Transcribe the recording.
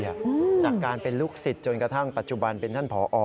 จากการเป็นลูกศิษย์จนกระทั่งปัจจุบันเป็นท่านผอ